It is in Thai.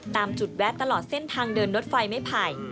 ตามจุดแวะตลอดเส้นทางเดินรถไฟไม่ไผ่